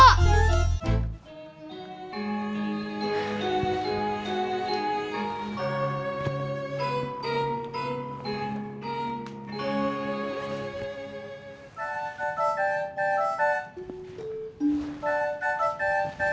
sampai jumpa lagi